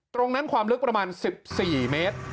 ตรงนั้นความลึกประมาณ๑๔เมตร